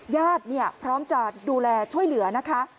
ญาติพร้อมจะดูแลช่วยเหลือนะคะ